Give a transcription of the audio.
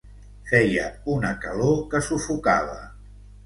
Feia una calor que sufocava.